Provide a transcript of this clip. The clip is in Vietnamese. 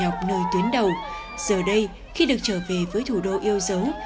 học nơi tuyến đầu giờ đây khi được trở về với thủ đô yêu dấu